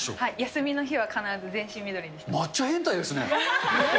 休みの日は必ず全身緑にして抹茶変態ですね。